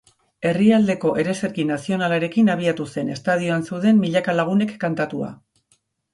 Herrialdeko ereserki nazionalarekin abiatu zen, estadioan zeuden milaka lagunek kantatua.